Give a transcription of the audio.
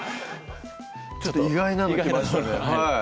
ちょっと意外なのきましたね